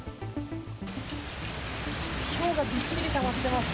ひょうがびっしりたまってます。